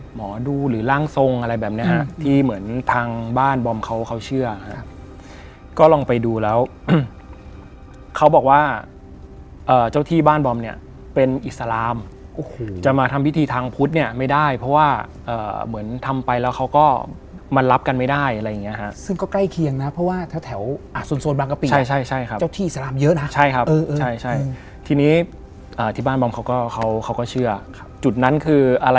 หมายถึงว่าเวลาอยากจะขอให้ผีกะช่วยทำอะไรสักอย่างหนึ่ง